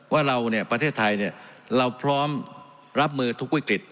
ว่าเราประเทศไทยเราพร้อมรับมือทุกวิกฤต